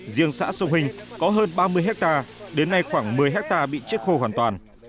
riêng xã sông hình có hơn ba mươi hectare đến nay khoảng một mươi hectare bị chết khô hoàn toàn